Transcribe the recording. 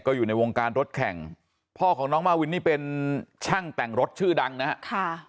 อยู่ในวงการรถแข่งพ่อของน้องมาวินนี่เป็นช่างแต่งรถชื่อดังนะครับ